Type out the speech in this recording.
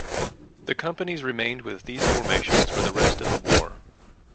The companies remained with these formations for the rest of the war.